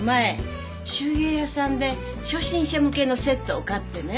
手芸屋さんで初心者向けのセットを買ってね。